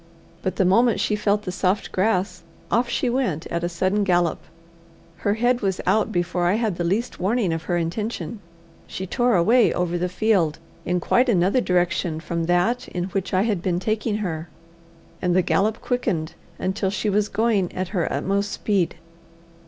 But the moment she felt the soft grass, off she went at a sudden gallop. Her head was out before I had the least warning of her intention. She tore away over the field in quite another direction from that in which I had been taking her, and the gallop quickened until she was going at her utmost speed.